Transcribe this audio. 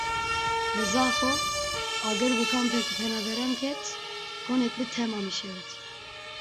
Li Zaxo agir bi kampeke penaberan ket, konek bi temamî şewitî.